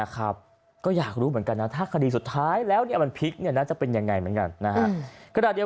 ก็อยากรู้เหมือนกันน่ะถ้าคดีสุดท้ายแล้วอันนี้มันพลิกน่ารักจะเป็นอย่างไง